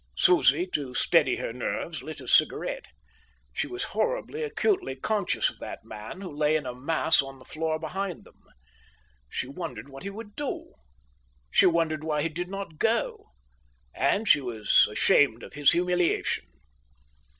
Susie, to steady her nerves, lit a cigarette. She was horribly, acutely conscious of that man who lay in a mass on the floor behind them. She wondered what he would do. She wondered why he did not go. And she was ashamed of his humiliation.